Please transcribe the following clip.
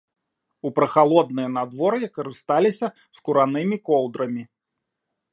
У прахалоднае надвор'е карысталіся скуранымі коўдрамі.